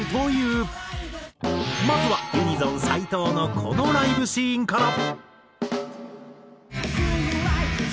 まずはＵＮＩＳＯＮ斎藤のこのライブシーンから。